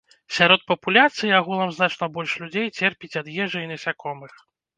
Сярод папуляцыі агулам значна больш людзей церпіць ад ежы і насякомых.